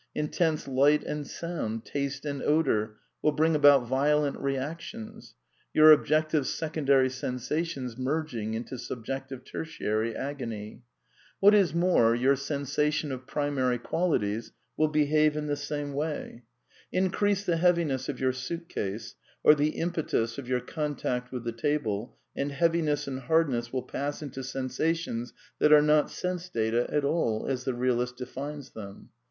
Intense light and sound, taste and odour will bring about violent re actions, your objective secondary sensations merging into subjective tertiary agony. What is more, your sensation of primary qualities will behave in the same way. Increase the heaviness of your suit case, or the impetus of your contact with the table, and heaviness and hardness will pass into sensations that Y^re not sense data at all as the realist defines them.